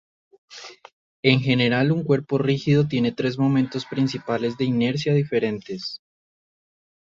En general, un cuerpo rígido tiene tres momentos principales de inercia diferentes.